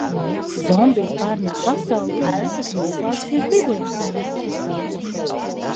Zombiji pārņem pasauli un mēs esam ieslēgušies bibliotēkā!